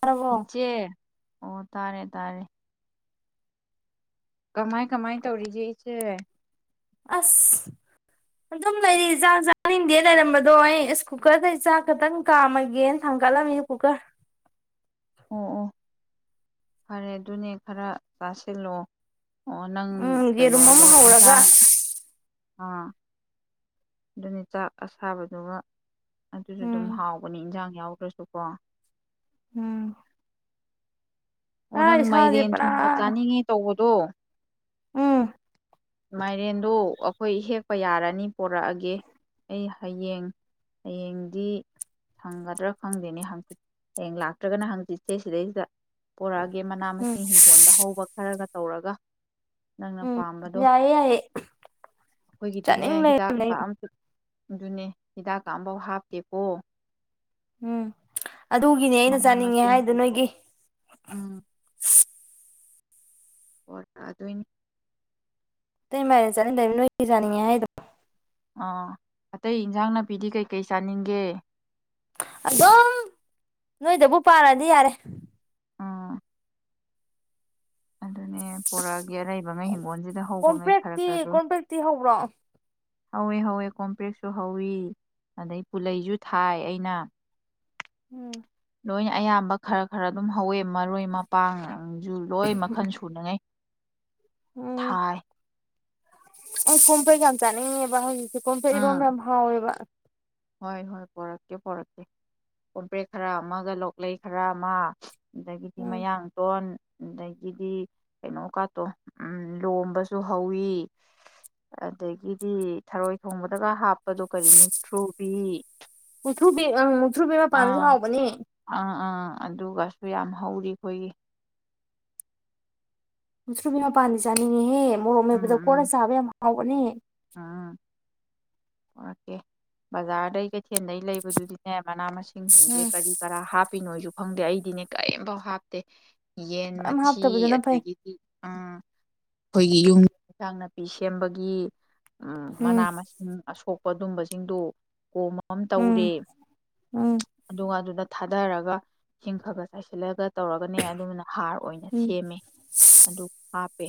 ꯇꯥꯔꯕꯣ ꯏꯆꯦ ꯑꯣ ꯇꯥꯔꯦ ꯇꯥꯔꯦ ꯀꯃꯥꯏ ꯀꯃꯥꯏ ꯇꯧꯔꯤꯒꯦ ꯏꯆꯦ ꯑꯁ ꯑꯗꯨꯝ ꯂꯩꯔꯤꯥꯛ ꯆꯥꯅꯤꯡꯗꯦ ꯂꯩꯔꯝꯕꯗꯣ ꯑꯩ ꯑꯁ ꯀꯨꯀꯔꯗ ꯆꯥꯛ ꯈꯛꯇꯪ ꯀꯥꯝꯃꯒꯦꯅ ꯊꯥꯡꯒꯠꯂꯝꯃꯤꯅꯦ ꯀꯨꯀꯔ ꯑꯣ ꯑꯣ ꯐꯔꯦ ꯑꯗꯨꯅꯦ ꯈꯔ ꯆꯥꯁꯤꯜꯂꯣ ꯑꯣ ꯅꯪ ꯎꯝ ꯌꯦꯔꯨꯝ ꯀꯩꯅꯣꯗꯣ ꯑꯃ ꯍꯧꯔꯒ ꯌꯦꯟꯁꯥꯡ ꯑꯥ ꯑꯗꯨꯅꯤ ꯆꯥꯛ ꯑꯁꯥꯕꯗꯨꯒ ꯑꯗꯨꯁꯨ ꯑꯗꯨꯝ ꯎꯝ ꯍꯥꯎꯕꯅꯤ ꯏꯟꯖꯥꯡ ꯌꯥꯎꯗꯔꯥ ꯁꯨ ꯀꯣ ꯎꯝ ꯑꯣ ꯑꯥ ꯅꯪ ꯏꯁꯥꯁꯦ ꯃꯥꯏꯔꯦꯟ ꯄꯨꯔꯥ ꯊꯣꯡꯕ ꯆꯥꯅꯤꯡꯉꯦ ꯇꯧꯕꯗꯣ ꯎꯝ ꯃꯥꯏꯔꯦꯟꯗꯣ ꯑꯩꯈꯣꯏ ꯍꯦꯛꯄ ꯌꯥꯔꯅꯤ ꯄꯣꯔꯛꯑꯒꯦ ꯑꯩ ꯍꯌꯦꯡ ꯍꯌꯦꯡꯗꯤ ꯁꯪꯒꯗ꯭ꯔꯥ ꯈꯪꯗꯦꯅꯦ ꯍꯌꯦꯡ ꯂꯥꯛꯇ꯭ꯔꯒꯅ ꯍꯪꯆꯤꯠꯁꯦ ꯁꯤꯗꯩꯁꯤꯗ ꯄꯣꯔꯛꯑꯒꯦ ꯃꯅꯥ ꯎꯝ ꯃꯁꯤꯡ ꯍꯤꯡꯒꯣꯜꯗ ꯍꯧꯕ ꯈꯔꯒ ꯇꯧꯔꯒ ꯅꯪꯅ ꯎꯝ ꯄꯥꯝꯕꯗꯣ ꯌꯥꯏꯌꯦ ꯌꯥꯏꯌꯦ ꯑꯩꯈꯣꯏꯒꯤꯗꯤꯅꯦ ꯆꯥꯅꯤꯡ ꯍꯤꯗꯥꯛ ꯂꯩꯔꯝꯅꯦ ꯀꯥ ꯑꯩ ꯑ ꯑꯗꯨꯅꯦ ꯍꯤꯗꯥꯛ ꯀ ꯑꯃꯐꯧ ꯍꯥꯞꯇꯦꯕꯣ ꯎꯝ ꯑꯗꯨꯒꯤꯅꯦ ꯑꯩꯅ ꯆꯥꯅꯤꯡꯉꯦ ꯍꯥꯏꯗ ꯃꯁꯤꯡꯕꯨ ꯅꯣꯏꯒꯤ ꯎꯝ [unintelligible] ꯑꯗꯅꯤ ꯑꯇꯩ ꯃꯥꯏꯔꯦꯟ ꯆꯅꯤꯡꯗꯦ ꯅꯣꯏꯒꯤ ꯆꯅꯤꯡꯉꯦ ꯍꯥꯏꯗꯣ ꯑꯥ ꯑꯇꯩ ꯏꯟꯁꯥꯡ ꯅꯥꯄꯤꯗꯤ ꯀꯩꯀꯩ ꯆꯥꯅꯤꯡꯒꯦ ꯑꯗꯨꯝ ꯅꯣꯏꯗꯕꯨ ꯄꯥꯜꯂꯗꯤ ꯌꯥꯔꯦ ꯑꯥ ꯑꯗꯨꯅꯦ ꯄꯣꯔꯛꯒꯤ ꯑꯔꯩꯕꯉꯩ ꯍꯤꯡꯒꯣꯜꯁꯤꯗ ꯍꯧꯕ ꯉꯩ ꯈꯔ ꯀꯣꯝꯄ꯭ꯔꯦꯛꯇꯤ ꯈꯔ ꯗꯨꯝ ꯀꯣꯝꯄ꯭ꯔꯦꯛꯇꯤ ꯍꯧꯕ꯭ꯔꯣ ꯍꯧꯋꯦ ꯍꯧꯋꯦ ꯀꯣꯝꯄ꯭ꯔꯦꯛꯁꯨ ꯍꯧꯋꯤ ꯑꯗꯩ ꯄꯨꯂꯩꯁꯨ ꯊꯥꯏ ꯑꯩꯅ ꯎꯝ ꯂꯣꯏꯅ ꯑꯌꯥꯝꯕ ꯈꯔ ꯈꯔ ꯑꯗꯨꯝ ꯍꯧꯋꯦ ꯃꯔꯣꯏ ꯃꯄꯥꯡ ꯖꯨ ꯂꯣꯏ ꯃꯈꯜ ꯁꯨꯅꯉꯩ ꯎꯝ ꯊꯥꯏ ꯑꯩ ꯀꯣꯝꯄꯔꯦꯛ ꯌꯥꯝ ꯆꯅꯤꯡꯉꯦꯕ ꯀꯣꯝꯄꯔꯦꯛ ꯏꯔꯣꯝ ꯎꯝ ꯌꯥꯝ ꯍꯥꯎꯋꯦꯕ ꯍꯣꯏ ꯍꯣꯏ ꯄꯣꯔꯛꯀꯦ ꯄꯣꯔꯛꯀꯦ ꯀꯣꯝꯄ꯭ꯔꯦꯛ ꯈꯔ ꯑꯃꯒ ꯂꯣꯛꯂꯩ ꯈꯔ ꯑꯃ ꯑꯗꯒꯤꯗꯤ ꯎꯝ ꯃꯌꯥꯡꯇꯣꯟ ꯑꯗꯒꯤꯗꯤ ꯀꯩꯅꯣꯀꯥꯇꯣ ꯎꯝ ꯂꯣꯝꯕꯁꯨ ꯍꯧꯋꯤ ꯑꯗꯒꯤꯗꯤ ꯊꯔꯣꯏ ꯊꯣꯡꯕꯗꯒ ꯍꯥꯞꯄꯗꯣ ꯀꯔꯤ ꯃꯤꯛ [unintelligible] ꯏ ꯃꯨꯊ꯭ꯔꯨꯕꯤ ꯑ ꯃꯨꯊ꯭ꯔꯨꯕꯤ ꯃꯄꯥꯟꯗꯁꯨ ꯍꯥꯎꯕꯅꯦ ꯑꯥ ꯑꯥ ꯑꯗꯨꯒꯁꯨ ꯌꯥꯝ ꯍꯧꯔꯤ ꯑꯩꯈꯣꯏꯒꯤ ꯃꯨꯛꯊ꯭ꯔꯨꯕꯤ ꯃꯄꯥꯟꯗꯤ ꯆꯥꯅꯤꯡꯉꯤꯍꯦ ꯃꯣꯔꯣꯛ ꯃꯦꯇꯄꯗ ꯀꯣꯠꯂ ꯎꯝ ꯎꯝ ꯆꯥꯕ ꯌꯥꯝ ꯍꯥꯎꯕꯅꯤ ꯎꯝ ꯄꯨꯔꯛꯀꯦ ꯕꯖꯥꯔꯗꯩ ꯀꯩꯊꯦꯜꯗꯩ ꯂꯩꯕꯗꯨꯗꯤꯅꯦ ꯃꯅꯥ ꯃꯁꯤꯡ ꯁꯤꯡ ꯁꯤꯡꯁꯦ ꯀꯔꯤ ꯀꯔꯥ ꯍꯥꯞꯄꯤꯅꯣꯁꯨ ꯐꯪꯗꯦ ꯑꯩꯗꯤꯅꯦ ꯀꯔꯤꯝꯐꯥꯎ ꯍꯥꯞꯇꯦ ꯌꯦꯟ ꯌꯥꯝ ꯃꯊꯤ ꯍꯥꯞꯇꯕꯗꯨꯅ ꯐꯩ ꯑꯗꯒꯤꯗꯤ ꯑꯝ ꯑꯩꯈꯣꯏꯒꯤ ꯌꯨꯝ ꯏꯟꯁꯥꯡ ꯅꯥꯄꯤ ꯁꯦꯝꯕꯒꯤ ꯎꯝ ꯃꯅꯥ ꯃꯁꯤꯡ ꯑꯁꯣꯛ ꯑꯗꯨꯝꯕꯁꯤꯡꯗꯨ ꯀꯣ ꯝ ꯎꯝ ꯇꯧꯔꯦ ꯎꯝ ꯑꯗꯨꯒ ꯑꯗꯨꯗ ꯊꯥꯗꯔꯒ ꯏꯁꯤꯡ ꯈꯔ ꯈꯔ ꯆꯥꯏꯁꯤꯜꯂꯒ ꯇꯧꯔꯒꯅꯦ ꯑꯗꯨꯃꯅ ꯍꯥꯔ ꯑꯣꯏꯅ ꯎꯝ ꯁꯦꯝꯃꯦ ꯑꯗꯨ ꯍꯥꯞꯄꯦ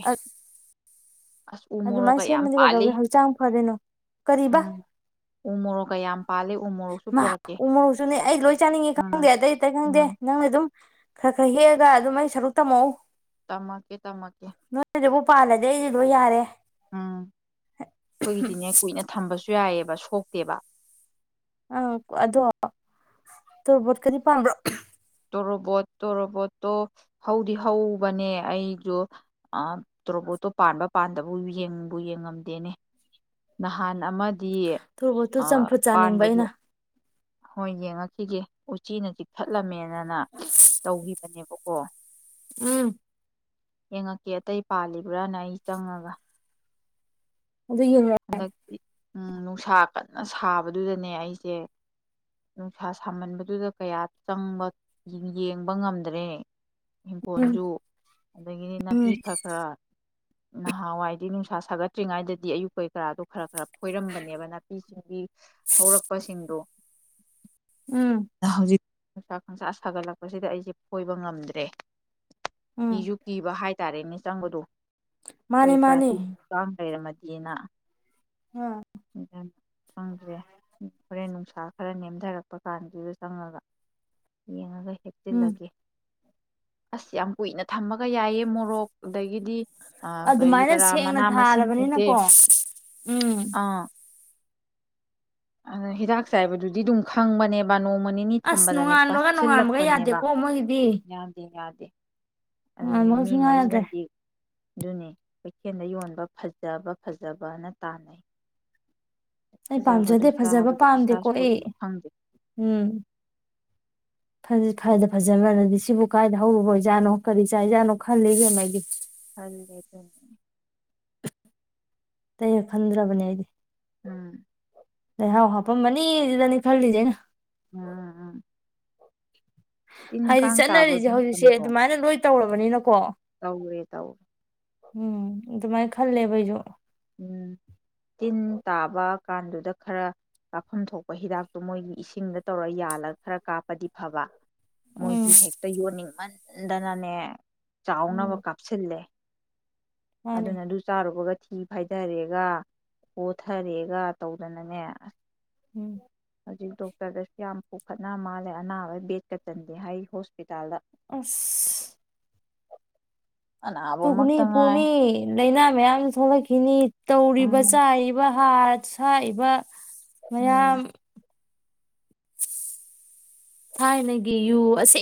ꯑꯁ ꯎꯃꯣꯔꯣꯒꯀ ꯌꯥꯝ ꯄꯥꯜꯂꯤ ꯆꯥꯡ ꯐꯗꯣꯏꯅꯣ ꯀꯔꯤꯕꯥ ꯎꯝ ꯎ ꯃꯣꯔꯣꯛꯀ ꯌꯥꯝ ꯄꯥꯜꯂꯤ ꯎ ꯃꯣꯔꯣꯛꯁꯨ ꯃꯥ ꯄꯣꯔꯛꯀꯦ ꯎ ꯃꯔꯣꯔꯣꯛꯁꯨꯅꯦ ꯑꯩ ꯂꯣꯏ ꯆꯥꯅꯤꯡꯉꯤ ꯎꯝ ꯈꯪꯗꯦ ꯑꯇꯩ ꯑꯇꯩ ꯈꯪꯗꯦ ꯎꯝ ꯅꯪꯅ ꯑꯗꯨꯝ ꯈꯔ ꯈꯔ ꯍꯦꯛꯑꯒ ꯑꯗꯨꯝ ꯑꯩ ꯁꯔꯨꯛ ꯇꯝꯃꯛꯎ ꯇꯝꯃꯛꯀꯦ ꯇꯝꯃꯛꯀꯦ ꯅꯣꯏꯗꯨꯕꯨ ꯄꯥꯜꯂꯗꯤ ꯑꯩꯗꯤ ꯂꯣꯏ ꯌꯥꯔꯦ ꯎꯝ ꯑꯩꯈꯣꯏꯒꯤꯗꯤꯅꯦ ꯀꯨꯏꯅ ꯊꯝꯕꯁꯨ ꯌꯥꯏꯌꯦꯕ ꯁꯣꯛꯇꯦꯕ ꯎꯝ ꯑꯗꯣ ꯇꯣꯔꯕꯣꯠꯀꯗꯤ ꯄꯥꯝꯕ꯭ꯔꯣ ꯇꯣꯔꯣꯕꯣꯠ ꯇꯣꯔꯣꯕꯣꯠꯇꯣ ꯍꯧꯗꯤ ꯍꯧꯕꯅꯦ ꯑꯩꯗꯨ ꯑ ꯇꯣꯔꯣꯕꯣꯠꯇꯣ ꯄꯥꯟꯕ ꯄꯥꯟꯗꯕꯨ ꯌꯦꯡꯕꯨ ꯌꯦꯡꯉꯝꯗꯦꯅꯦ ꯅꯍꯥꯟ ꯑꯃ ꯇꯣꯔꯣꯕꯣꯠꯇꯨ ꯆꯝꯐꯨꯠ ꯆꯥꯅꯤꯡꯕ ꯑꯩꯅ ꯍꯣꯏ ꯌꯦꯡꯉꯛꯈꯤꯒꯦ ꯎꯆꯤꯅ ꯆꯤꯛꯊꯠꯂꯝꯃꯦꯅꯅ ꯇꯧꯈꯤꯕꯅꯦꯕꯀꯣ ꯎꯝ ꯌꯦꯡꯉꯛꯀꯦ ꯑꯇꯩ ꯄꯥꯜꯂꯤꯕ꯭ꯔꯥꯅ ꯑꯩ ꯆꯪꯉꯒ ꯑꯗꯨ ꯌꯦꯡꯉꯛꯑꯣ ꯍꯟꯗꯛꯇꯤ ꯑꯝ ꯅꯨꯡꯁꯥ ꯀꯟꯅ ꯁꯥꯕꯗꯨꯗꯅꯦ ꯑꯩꯁꯦ ꯅꯨꯡꯁꯥ ꯁꯥꯃꯟꯕꯗꯨꯗ ꯀꯌꯥ ꯆꯪꯕ ꯌꯦꯡꯕ ꯉꯝꯗ꯭ꯔꯦ ꯎꯝ ꯏꯪꯈꯣꯜꯁꯨ ꯑꯗꯒꯤꯗꯤ ꯎꯝ ꯅꯥꯄꯤ ꯈꯔꯥ ꯈꯔꯥ ꯅꯍꯥꯟꯋꯥꯏꯗꯤ ꯅꯨꯡꯁꯥ ꯁꯥꯒꯠꯇ꯭ꯔꯤꯉꯩꯗꯗꯤ ꯑꯌꯨꯛꯛꯇ ꯀꯔꯥꯗꯣ ꯈꯔ ꯈꯔ ꯐꯣꯏꯔꯝꯕꯅꯦꯕ ꯅꯥꯄꯤꯁꯤꯡꯒꯤ ꯍꯧꯔꯛꯄꯁꯤꯡꯗꯣ ꯎꯝ ꯍꯧꯖꯤꯛ ꯈꯪꯁꯥ ꯈꯪꯁꯥ ꯁꯥꯒꯠꯂꯛꯄꯁꯤꯗ ꯑꯩꯁꯦ ꯀꯣꯏꯕ ꯉꯝꯗ꯭ꯔꯦ꯫ ꯎꯝ ꯀꯤꯁꯨꯨ ꯀꯤꯕ ꯍꯥꯏ꯫ ꯇꯔꯦꯅꯤ ꯆꯪꯕꯗꯨ ꯃꯥꯅꯦ ꯀꯩ ꯃꯥꯅꯦ ꯀ꯭ꯔꯥꯇ [unintelligible] ꯂꯩꯔꯝꯃꯗꯤꯅ ꯎꯝ ꯆꯪꯗ꯭ꯔꯦ ꯍꯣꯔꯦꯟ ꯅꯨꯡꯁꯥ ꯈꯔ ꯅꯦꯝꯊꯔꯛꯄ ꯀꯥꯟꯗꯨꯗ ꯆꯪꯉꯒ ꯌꯦꯡꯉꯒ ꯎꯝ ꯍꯦꯛꯆꯤꯜꯂꯒꯦ ꯑꯁ ꯌꯥꯝ ꯀꯨꯏꯅ ꯊꯝꯃꯒ ꯌꯥꯏꯑ ꯃꯣꯔꯣꯛ ꯑꯗꯒꯤꯗꯤ ꯑ ꯀꯔꯤ ꯑꯗꯨꯃꯥꯏꯅ ꯀꯔꯥ ꯁꯦꯡꯅ ꯃꯅꯥ ꯃꯁꯤꯡꯁꯤꯡꯁꯦ ꯊꯥꯔꯕꯅꯤꯅꯀꯣ ꯎꯝ ꯑꯥ ꯑꯗ ꯍꯤꯗꯥꯛ ꯆꯥꯏꯕꯗꯨꯗꯤ ꯑꯗꯨꯝ ꯈꯪꯕꯅꯦꯕ ꯅꯣ ꯅꯣꯡꯃ ꯅꯤꯅꯤ ꯑꯁ ꯊꯝꯕꯗꯅꯦ ꯅꯣꯡꯉꯥꯟꯕꯒ ꯅꯣꯡꯉꯥꯟꯕꯒ ꯄꯥꯁꯤꯜꯂꯛꯄꯅꯦꯕ ꯌꯥꯗꯦꯀꯣ ꯃꯣꯏꯒꯤꯗꯤ ꯌꯥꯗꯦ ꯌꯥꯗꯦ ꯑꯗꯨꯅꯤ ꯅꯣꯡꯉꯥꯟꯕꯒ ꯁꯨꯡꯌꯥ ꯌꯥꯗ꯭ꯔꯦ ꯃꯤꯉꯩꯁꯤꯅꯗꯤ ꯑꯗꯨꯅꯤ ꯀꯩꯊꯦꯜꯗ ꯌꯣꯟꯕ ꯐꯖꯕ ꯐꯖꯕꯅ ꯇꯥꯟꯅꯩ ꯑꯩ ꯐꯖꯕꯗꯨ ꯄꯥꯝꯖꯗꯦ ꯐꯖꯕ ꯆꯥꯕꯗ ꯏꯁꯥ ꯄꯥꯝꯗꯦꯀꯣ ꯑꯦ ꯁꯣꯛꯏ ꯈꯪꯗꯦ ꯎꯝ ꯐ ꯐꯗ ꯐꯖꯃꯅꯗꯤ ꯁꯤꯕꯨ ꯀꯥꯏꯗ ꯍꯧꯔꯨꯕ ꯑꯣꯏꯖꯥꯠꯅꯣ ꯀꯔꯤ ꯆꯥꯏꯖꯥꯠꯅꯣ ꯈꯜꯂꯤ ꯏꯕꯦꯃꯥ ꯑꯩꯗꯤ ꯍꯦ ꯑꯗꯨ [unintelligible] ꯇꯩꯌ ꯈꯟꯗ꯭ꯔꯕꯅꯦ ꯑꯩꯗꯤ ꯎꯝ ꯂꯩꯍꯑꯣ ꯍꯥꯞ ꯄꯨꯝꯅꯤ ꯁꯤꯗꯅꯤ ꯐꯜꯂꯤꯁꯦ ꯑꯩꯟ ꯎꯝ ꯎꯝ ꯇꯤꯟ ꯍꯥꯏꯗꯤ ꯀꯥꯡ ꯇꯥꯕ ꯑꯗꯨ ꯃꯇꯝꯗꯣ ꯃꯅꯤꯅꯀꯣ ꯇꯧꯦ ꯇꯧ ꯎꯝ ꯑꯗꯨꯃꯥꯏꯅ ꯈꯜꯂꯦꯕ ꯑꯩꯁꯨ ꯎꯝ ꯇꯤꯟ ꯇꯥꯕ ꯀꯥꯟꯗꯨꯗ ꯈꯔ ꯀꯥꯞꯐꯝ ꯊꯣꯛꯄ ꯍꯤꯗꯥꯛꯇꯣ ꯃꯣꯏꯒꯤ ꯏꯁꯤꯡꯗ ꯇꯧꯔ ꯌꯥꯜꯂꯒ ꯈꯔ ꯀꯥꯞꯄꯗꯤ ꯐꯕ ꯃꯣꯏꯗꯤ ꯎꯝ ꯍꯦꯛꯇ ꯌꯣꯟꯅꯤꯡꯃꯟ ꯗꯥꯅꯥꯅꯦ ꯎꯝ ꯆꯥꯎꯅꯕ ꯀꯥꯞꯁꯤꯅꯂꯦ ꯃꯥꯅꯦ ꯑꯗꯨꯅ ꯑꯗꯨ ꯆꯥꯔꯨꯕꯒ ꯎ ꯈꯥꯏꯊꯔꯦꯒ ꯀꯣꯊꯔꯦꯒ ꯇꯧꯗꯅꯅꯦ ꯑꯁ ꯎꯝ ꯍꯧꯖꯤꯛ ꯗꯣꯛꯇꯔꯗꯁꯨ ꯌꯥꯝ ꯄꯨꯈꯠꯅꯕ ꯃꯥꯜꯂꯦ ꯑꯅꯥꯕꯩ ꯕꯦꯗꯀ ꯆꯟꯗꯦ ꯍꯥꯏ ꯍꯣꯁꯄꯤꯇꯥꯜꯗ ꯑꯁ ꯑꯅꯥꯕ ꯄꯨꯒꯅꯤ ꯃꯛꯇ ꯉꯥꯏ ꯄꯨꯅꯤ ꯂꯩꯅꯥ ꯃꯌꯥꯝ ꯊꯣꯛꯂꯛꯈꯤꯅꯤ ꯇꯧꯔꯤꯕ ꯎꯝ ꯆꯥꯔꯤꯕ ꯍꯥꯠ ꯁꯥꯏꯏꯤꯕ ꯁꯤꯁ ꯃꯌꯥꯝ ꯎꯝ ꯊꯥꯏꯅꯒꯤ ꯌꯨ ꯑꯁꯦ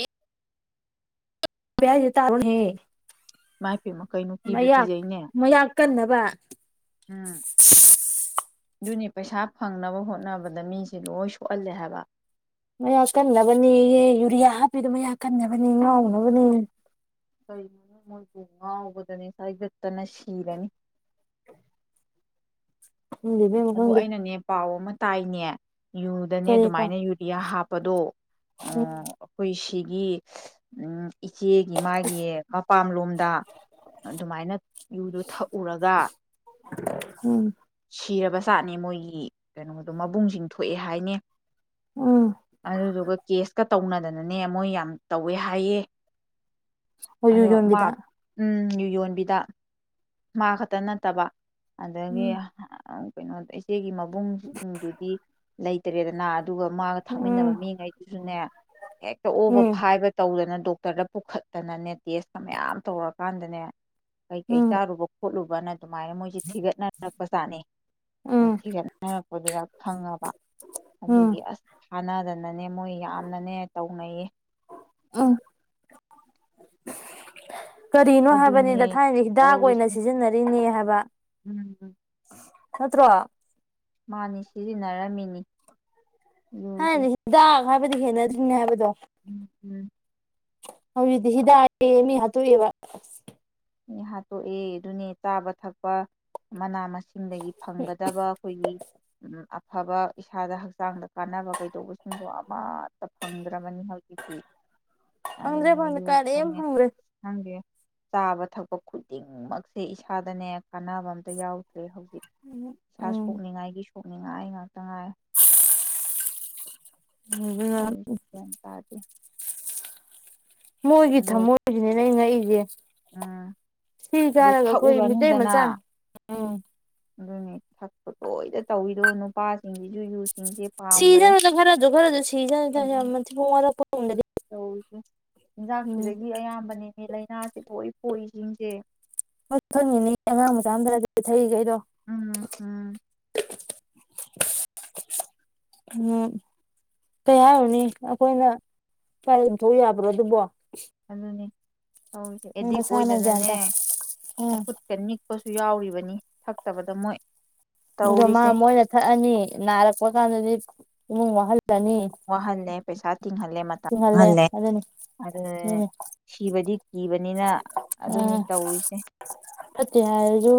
ꯌꯥ ꯌꯦ [unintelligible] ꯇꯥꯔꯣꯍꯦ ꯃꯥꯏꯞ ꯀꯦꯃꯥ ꯀꯤꯕꯨ ꯀꯤꯖꯩꯅꯦ ꯃꯌꯥꯛ ꯀꯟꯅꯕ ꯎꯝ ꯑꯗꯨꯅꯤ ꯄꯩꯁꯥ ꯐꯪꯅꯕ ꯍꯣꯠꯅꯕꯗ ꯃꯤꯁꯦ ꯂꯣꯏ ꯁꯣꯛꯍꯜꯂꯦ ꯍꯥꯏꯕ ꯃꯌꯥꯛ ꯀꯟꯅꯕꯅꯦꯌꯦ ꯌꯨꯔꯤꯌꯥ ꯍꯥꯞꯄꯤꯗꯨꯣ ꯃꯌꯥꯛ ꯀꯟꯅꯕꯅꯦ ꯉꯥꯎꯅꯕꯅꯦ ꯀꯩ ꯃꯣꯏꯖꯤ ꯉꯥꯎꯕꯗꯅꯤ ꯍꯥꯏꯒꯠꯇꯅ ꯁꯤꯔꯅꯤ ꯈꯪꯗꯦ ꯏꯕꯦꯝꯃ ꯑꯗꯣ ꯈꯪꯗꯦ ꯑꯩꯅꯅꯦ ꯄꯥꯎ ꯑꯃ ꯇꯥꯏꯅꯦ ꯌꯨꯗꯅꯦ ꯀꯔꯤꯕ ꯑꯗꯨꯃꯥꯏꯅ ꯌꯨꯔꯤꯌꯥ ꯍꯥꯞ ꯀꯥꯗꯣ ꯎꯝ ꯑꯥꯥ-ꯑꯩꯈꯣꯏꯁꯤ ꯁꯤꯒꯤ ꯁꯤꯁ ꯎꯝ ꯏꯆꯦꯒꯤ ꯃꯥꯒꯤ ꯃꯄꯥꯝꯂꯣꯝꯗ ꯑꯗꯨꯃꯥꯏꯅ ꯌꯨꯗꯣ ꯊꯛꯎꯨꯔꯥꯒ ꯎꯝ ꯀꯤꯔꯕ ꯖꯥꯠꯅꯦ ꯃꯣꯏꯒꯤ ꯀꯩꯅꯣꯗꯣ ꯃꯕꯨꯡꯁꯤꯡꯗꯨ ꯄꯣꯛꯑꯦ ꯍꯥꯏꯅꯦ ꯎꯝ ꯑꯗꯨꯗꯨꯒ ꯀꯦꯁ ꯀꯥ ꯇꯧꯅꯗꯅꯅꯦ ꯃꯣꯏ ꯌꯥꯝ ꯇꯧꯋꯦ ꯍꯥꯏꯌꯦ ꯍꯣ ꯌꯨ ꯌꯣꯟꯕꯤꯗ ꯌꯣꯟꯕꯤꯗꯥ ꯃꯥꯈꯠꯇ ꯅꯠꯇꯕ ꯑꯗꯒꯤ ꯎꯝ ꯑꯠ ꯀꯩꯅꯣ ꯏꯆꯦꯒꯤ ꯃꯞ ꯕꯨꯡꯗꯨꯗꯤ ꯂꯩꯇ꯭ꯔꯦꯗꯅ ꯑꯗꯨꯒ ꯃꯥꯒ ꯊꯛꯃꯤꯟꯅꯕ ꯎꯝ ꯃꯤꯉꯩꯗꯨꯁꯨꯅꯦ ꯍꯦꯛꯇ ꯑꯣꯕ ꯎꯝ ꯐꯥꯏꯕ ꯇꯧꯗꯅ ꯗꯣꯛꯇꯔꯗ ꯄꯨꯈꯠꯇꯅꯅꯦ ꯇꯦꯁ ꯃꯌꯥꯝ ꯇꯧꯔꯛꯀꯥꯟꯗꯅꯦ ꯀꯩ ꯀꯩ ꯎꯝ ꯆꯥꯔꯨꯕ ꯈꯣꯠꯂꯨꯕ ꯅ [inaudible] ꯑꯗꯨꯃꯥꯏꯅ ꯃꯣꯏꯁꯤ ꯊꯤꯒꯠꯅꯔꯛꯄ ꯆꯥꯠꯅꯩ ꯑꯗꯨ ꯎꯝ ꯊꯤꯒꯠꯅꯔꯛꯄꯗꯨꯗ ꯐꯪꯉꯕ ꯎꯝ ꯑꯗꯨꯒꯤ ꯑꯁ ꯐꯥꯅꯗꯅꯅꯦ ꯅꯦ ꯃꯣꯏ ꯌꯥꯝꯅꯅꯦ ꯇꯧꯅꯩꯑꯦ ꯎꯝ [inaudible] ꯀꯔꯤꯅꯣ ꯍꯥꯏꯕꯅꯤꯗ ꯊꯥꯏꯅꯗꯤ ꯍꯤꯗꯥꯛ ꯑꯣꯏꯅ ꯇꯧꯔꯤꯁꯦ ꯁꯤꯖꯤꯟꯅꯔꯤꯅꯦ ꯍꯥꯏꯕ ꯎꯝ ꯅꯠꯇ꯭ꯔꯣ ꯃꯥꯅꯤ ꯁꯤꯖꯤꯟꯅꯔꯝꯃꯤꯅꯤ ꯌꯨꯁꯦ ꯊꯥꯏꯅꯗꯤ ꯍꯤꯗꯥꯛ ꯍꯥꯏꯕꯗꯤ ꯍꯦꯅꯗꯔ꯭ꯤꯅꯦ ꯍꯥꯏꯕꯗꯣ ꯎꯝ ꯎꯝ ꯍꯧꯖꯤꯛꯇꯤ ꯍꯤꯗꯥꯛꯌꯦ ꯃꯤ ꯍꯥꯠꯇꯣꯛꯏꯕ ꯍꯥꯠꯇꯣꯛꯑꯦ ꯑꯗꯨꯅꯦ ꯆꯥꯕ ꯊꯛꯄ ꯃꯅꯥ ꯃꯁꯤꯡ ꯁꯤꯡꯗꯒꯤ ꯐꯪꯒꯗꯕ ꯑꯩꯈꯣꯏꯒꯤ ꯎ ꯑꯐꯕ ꯏꯁꯥꯗ ꯍꯛꯆꯥꯡꯗ ꯀꯥꯟꯅꯕ ꯀꯩꯗꯧꯕꯁꯤꯡꯗꯣ ꯑꯃꯠꯇ ꯐꯪꯗꯕ ꯭ꯔꯕꯅꯤ ꯍꯧꯖꯤꯛꯇꯤ ꯐꯪꯗ꯭ꯔꯦ ꯑꯗꯨꯅ ꯐꯪꯗ꯭ꯔꯦ ꯌꯣ ꯀꯔꯤꯝ ꯐꯪꯉꯦ ꯐꯪꯗ꯭ꯔꯦ ꯈꯪꯒꯦ ꯇꯥꯕ ꯊꯕꯛ ꯈꯨꯗꯤꯡꯃꯛꯁꯦ ꯏꯁꯥꯗꯅꯦ ꯀꯥꯟꯅꯕ ꯑꯝꯇ ꯌꯥꯎꯗꯦ ꯍꯧꯖꯤꯛ ꯁꯥ ꯎꯝ ꯁꯣꯛꯅꯤꯡꯉꯥꯏꯒꯤ ꯄꯣꯛꯅꯤꯡꯉꯥꯏ ꯉꯥꯛꯇ ꯉꯥꯏꯔꯦ ꯑꯗꯨꯅ ꯍꯧꯖꯤꯛꯁꯦ ꯒꯌ꯭ꯥꯟ ꯇꯥꯗꯦ ꯃꯣꯏꯒꯤ ꯑꯗꯣ ꯊꯝꯃꯣꯏꯁꯤꯅꯤ ꯅ ꯑꯩ ꯉꯛꯏꯁꯦ ꯎꯝ ꯁꯤ ꯑꯗꯨ ꯁꯥꯥꯔꯒ ꯑꯩꯈꯣꯏ ꯃꯤꯇꯩ ꯃꯆꯥ ꯑꯃ ꯑꯗꯨꯅꯦ ꯊꯛꯄ ꯇꯣꯏꯗ ꯇꯧꯋꯤꯗꯣ ꯅꯨꯄꯥꯁꯤꯡꯁꯤꯁꯨꯨ ꯌꯨ ꯁꯤꯖꯈꯔꯁꯅꯨꯗ ꯈꯔꯥꯖꯨ ꯈꯥꯔꯖꯨ ꯁꯤꯖꯅꯨꯗ ꯌꯝ ꯑꯗꯨꯅꯤ ꯃꯊꯤꯕꯣꯟ ꯋꯥꯔꯛꯄ [unintelligible] [inaudible] ꯆꯤꯟꯖꯥꯛꯁꯤꯗꯒꯤ ꯑꯌꯥꯝꯕꯅꯦ ꯂꯥꯏꯅꯥꯁꯦ ꯂꯣꯢ ꯄꯣꯛꯏꯁꯤꯡꯁꯦ ꯑꯗꯨꯅꯤꯅꯦ ꯑꯉꯥꯡ ꯃꯆꯥ ꯑꯝꯇꯥ ꯅꯠꯇꯦ ꯊꯛꯏ [inaudible] ꯖꯤꯡꯖꯦ ꯗ ꯎꯝ ꯎꯝ ꯎꯝ ꯀꯩ ꯍꯥꯏꯔꯨꯅꯤ ꯑꯩꯈꯣꯏꯅ ꯀꯥꯏ ꯌꯝꯊꯣꯛ ꯌꯥꯕ꯭ꯔꯣ ꯑꯗꯨꯕꯣ ꯑꯗꯨꯅꯦ ꯇꯧꯔꯤꯁꯦ ꯑꯦꯗꯤꯛ ꯃꯁꯥꯅ ꯒ꯭ꯌꯥꯟ ꯑꯣꯏꯗꯅꯅꯦ ꯇꯥ ꯎꯝ ꯃꯈꯨꯠꯀꯅꯤꯛ ꯁꯨ ꯌꯥꯎꯔꯤꯕꯅꯤ ꯊꯛꯇꯕꯗ ꯃꯣꯏ ꯑꯗꯣ ꯃꯥ ꯇꯧꯔꯤꯁꯦ ꯃꯣꯏꯅ ꯊꯛꯑꯅꯤ ꯅꯥꯔꯛꯄ ꯀꯥꯟꯗꯗꯤ ꯏꯃꯨꯡ ꯃꯍꯜ ꯋꯥꯍꯅꯦꯦ ꯄꯩꯁꯥ ꯇꯤꯡꯍꯜꯂꯦ ꯃꯇꯝ ꯆꯤꯡꯍꯜꯂꯦ ꯃꯥꯡꯍꯜꯂꯦ ꯑꯗꯨꯅꯤ ꯑꯗꯨꯅꯅꯦ ꯑꯗꯨꯅꯤ ꯁꯤꯕꯗꯤ ꯀꯤꯕꯅꯤꯅ ꯑ ꯑꯗꯨꯅꯤ ꯇꯧꯔꯤꯁꯦ ꯐꯠꯇꯦ ꯍꯥꯏꯔꯁꯨ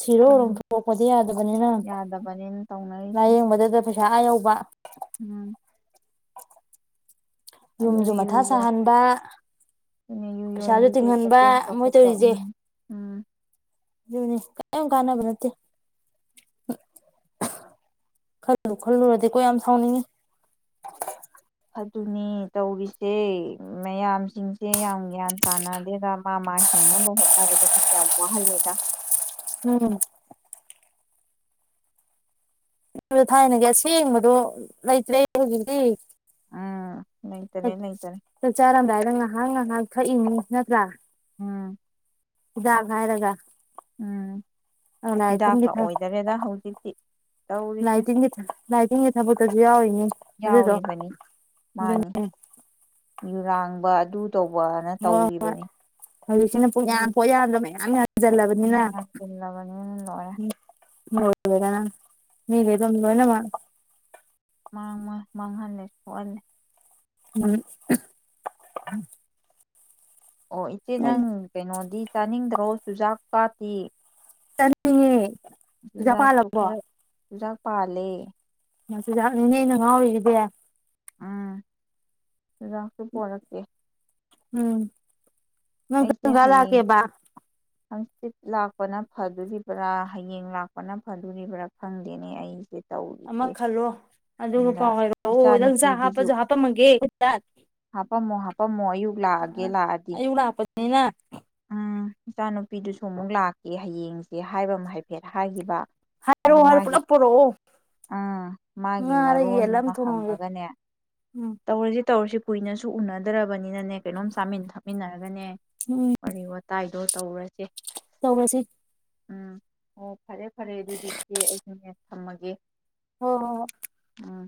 ꯁꯤꯤꯔꯣꯔꯣꯝ ꯎꯝ ꯊꯣꯛꯄꯗꯤ ꯌꯥꯗꯕ ꯐꯕꯅꯤꯅ ꯌꯥꯗꯕꯅꯤꯅ ꯇꯧꯅꯔꯤꯁꯦ ꯂꯥꯏꯌꯦꯡꯕꯗꯨꯗ ꯄꯩꯁꯥ ꯑ ꯌꯧꯕ ꯎꯝ ꯑꯗꯨ ꯌꯨꯝꯁꯨ ꯌꯨ ꯃꯊꯥ ꯌꯣꯟꯕꯤ ꯁꯥꯍꯟꯕ ꯑꯗꯨꯅ ꯌꯨ ꯄꯩꯁꯥꯁꯨ ꯌꯣꯟꯕꯤꯁꯨ ꯇꯤꯡꯍꯟꯕ ꯍꯣꯇꯦꯜ ꯃꯣꯏ ꯆꯥꯎꯈꯠꯄ ꯇꯧꯔꯤꯁꯦ ꯎꯝ ꯎꯝ ꯑꯗꯨꯅꯤ ꯌꯥꯝ ꯀꯥꯟꯅꯕ ꯅꯠꯇꯦ ꯈꯜꯂꯨ ꯈꯜꯂꯨꯔꯗꯤ ꯀꯣ ꯌꯥꯝ ꯁꯥꯎꯅꯤꯡꯉꯤ ꯑꯗꯨꯅꯤ ꯇꯧꯔꯤꯁꯦ ꯃꯌꯥꯝꯁꯤꯡꯁꯦ ꯌꯥꯝ ꯒ꯭ꯌꯥꯟ ꯇꯥꯅꯗꯦꯗ ꯃꯥ ꯃꯥ ꯍꯤꯡꯅꯕ ꯍꯣꯠꯅꯕꯗ ꯃꯤ ꯌꯥꯝ ꯋꯥꯍꯜꯂꯦꯗ ꯎꯝ ꯊꯥꯏꯅꯒꯤ ꯑꯁꯦꯡꯕꯗꯣ ꯂꯩꯇ꯭ꯔꯦ ꯍꯧꯖꯤꯛꯇꯤ ꯎꯝ ꯂꯩꯇꯔꯦ ꯂꯩꯇꯔꯦ ꯆꯆ ꯑꯔꯝ꯭ꯔ ꯍꯥꯏꯗꯪ ꯍꯥꯡ ꯍꯥꯡ ꯍꯣꯏ ꯏꯪꯂꯤꯁ ꯅꯠꯇ꯭ꯔꯥ ꯎꯝ ꯏꯗ ꯍꯥꯏꯚꯥꯏꯔꯒ ꯎꯝ ꯂꯥꯏꯇ ꯍꯤꯗꯥꯛꯀ ꯊ ꯑꯣꯏꯗꯔꯦꯗ ꯍꯧꯖꯤꯛꯇꯤ ꯇꯧꯔꯤꯁꯦ ꯂꯇ ꯊ ꯂꯇ ꯊ ꯁꯖꯤꯌꯥ ꯎꯝ ꯑꯗꯨꯗꯣ ꯌꯥꯎꯔꯤꯕꯅꯤ ꯃꯥꯅꯤ ꯑꯗꯨ ꯌꯨꯔꯥꯡꯕ ꯑꯗꯨ ꯇꯧꯕꯅ ꯍꯣꯏ ꯍꯣꯏ ꯇꯧꯔꯤꯕꯅꯤ ꯍꯧꯖꯤꯛꯁꯤꯅ ꯄꯨꯡ ꯌꯥꯝ ꯍꯧꯖꯤꯛ ꯄꯣꯠ ꯌꯥꯝꯕ ꯃꯌꯥꯝ ꯄꯣꯠ ꯌꯥꯝ ꯍꯟꯖꯜꯂꯕꯅꯤꯅ ꯌꯥꯟꯁꯤꯜꯂꯕꯅꯤꯅ ꯂꯣꯏꯔꯦ ꯎ ꯍꯣꯏ ꯦꯒꯅ ꯃꯤꯕꯦꯕꯝꯅ ꯃꯥ ꯃꯥꯡ ꯃꯥꯡꯍꯜꯂꯦ ꯁꯣꯛꯍꯜꯂꯦ ꯎꯝ ꯑꯣ ꯏꯆꯦ ꯅꯪ ꯀꯩꯅꯣꯗꯤ ꯆꯥꯅꯤꯡꯗ꯭ꯔꯣ ꯆꯨꯖꯥꯛ ꯀꯥꯇꯤ ꯆꯦ ꯆꯨꯖꯥꯛꯁꯨ ꯈꯔ ꯆꯖꯥꯛ ꯄꯥꯂꯦ ꯃꯁꯗ ꯅꯅꯦꯅ ꯉꯎꯗꯦ ꯎꯝ ꯆꯗꯥꯛꯁꯨ ꯄꯨꯣꯔꯛꯀꯦ ꯎꯝ ꯉꯒꯂ ꯀꯦꯕꯥ ꯆꯤꯞ ꯂꯥꯛꯄꯅ ꯐꯗꯣꯔꯤꯕ꯭ꯔꯥ ꯍꯌꯦꯡ ꯂꯥꯛꯄꯅ ꯐꯗꯣꯔꯤꯕ꯭ꯔꯥ ꯐꯪꯗꯦꯅꯦ ꯑꯩꯁꯦ ꯑꯃ ꯇꯧꯔꯤꯁꯦ ꯈꯜꯂꯣ ꯑꯗꯨꯒ ꯑꯗ ꯄꯥꯎ ꯍꯥꯏꯔꯛꯑꯣ ꯏꯆꯥ ꯑꯣ ꯅꯪ ꯆꯥꯛ ꯅꯨꯨꯄꯤꯗꯨꯁꯨ ꯍꯥꯞꯄꯁꯨ ꯍꯥꯞꯄꯝꯃꯒꯦ ꯍꯥꯄꯝꯃꯣ ꯍꯥꯄꯝꯃꯣ ꯑꯌꯨꯛ ꯂꯥꯛꯑꯒꯦ ꯂꯥꯛꯑꯗꯤ ꯑꯌꯨꯛ ꯂꯥꯛꯄ ꯑꯩꯅ ꯎꯝ ꯏꯆꯥ ꯅꯨꯨꯄꯤꯗꯨꯁꯨ ꯑꯃꯨꯛ ꯂꯥꯛꯀꯦ ꯍꯌꯦꯡꯁꯦ ꯍꯥꯏꯕ ꯑꯃ ꯍꯥꯏꯐꯦꯠ ꯍꯥꯏꯈꯤꯕ ꯑꯗꯨ ꯍꯥꯏꯔꯛꯑꯣ ꯍꯥꯏꯔꯣ ꯃꯥꯒꯤ ꯄꯨꯂꯞ ꯄꯨꯔꯛꯑꯣ ꯑꯥ ꯃꯥꯒꯤ ꯉꯥꯔ ꯃꯔꯣꯟ ꯌꯦꯜꯂ ꯑꯃ ꯊꯣꯡꯉꯒꯦ ꯍꯪꯉꯒꯅꯦ ꯎꯝ ꯇꯧꯔꯁꯤ ꯇꯧꯔꯁꯤ ꯀꯨꯏꯅꯁꯨ ꯎꯅꯗ꯭ꯔꯔꯕꯅꯤꯅ ꯅꯦꯛ ꯀꯩꯅꯣꯝ ꯆꯥꯃꯤꯟ ꯊꯥꯃꯤꯟꯅꯔꯒ [unintelligible] ꯋꯥꯔꯤ ꯋꯇꯥꯏ ꯀꯥꯏꯗꯣ ꯇꯧꯔꯁꯦ ꯇꯧ ꯔꯁꯤ ꯎꯝ ꯑꯣ ꯐꯔꯦ ꯐꯔꯦ ꯑꯗꯨꯗꯤ ꯏꯆꯦ ꯑꯩꯁꯨꯅꯦ ꯊꯝꯃꯒꯦ ꯍꯣ ꯍꯣꯏ ꯎꯝ